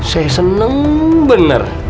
saya seneng bener